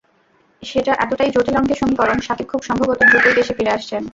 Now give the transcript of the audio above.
সেটা এতটাই জটিল অঙ্কের সমীকরণ, সাকিব খুব সম্ভবত দ্রুতই দেশে ফিরে আসছেন।